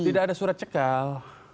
tidak ada surat cekal